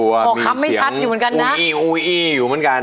บอกคำไม่ชัดอยู่เหมือนกันนะ